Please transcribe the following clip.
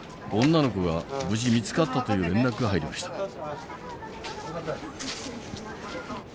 女の子が無事見つかったという連絡が入りました。